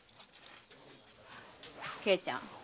慶ちゃん。